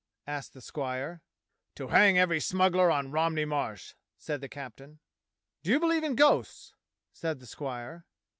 asked the squire. "To hang every smuggler on Romney Marsh," said the captain. "Do you believe in ghosts?" said the squire.